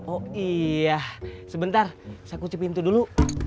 oh iya sebentar saya kuci pintu dulu